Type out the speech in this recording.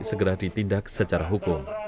segera ditindak secara hukum